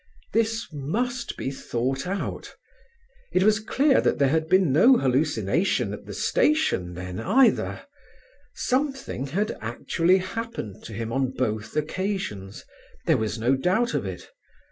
This must be thought out; it was clear that there had been no hallucination at the station then, either; something had actually happened to him, on both occasions; there was no doubt of it.